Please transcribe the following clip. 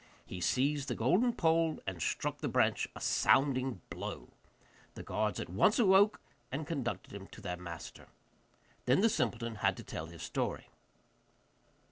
He seized the golden pole, and struck the branch a sounding blow. The guards at once awoke, and conducted him to their master. Then the simpleton had to tell his story.